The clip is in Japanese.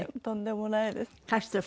とんでもないです。